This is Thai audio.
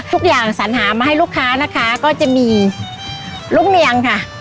ทุกอย่างสามารถมาให้ลูกค้านะคะก็จะมีลูกเนียงค่ะ